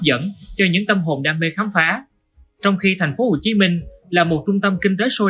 dẫn cho những tâm hồn đam mê khám phá trong khi thành phố hồ chí minh là một trung tâm kinh tế sôi